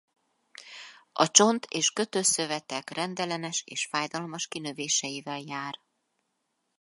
A csont- és kötőszövetek rendellenes és fájdalmas kinövéseivel jár.